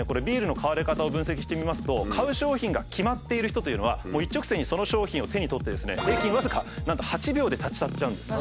ビールの買われ方を分析してみますと買う商品が決まっている人というのはもう一直線にその商品を手に取ってですね